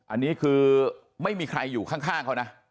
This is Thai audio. อันนี้คือไม่มีใครอยู่ข้างเขานะ